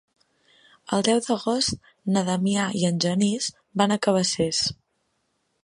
El deu d'agost na Damià i en Genís van a Cabacés.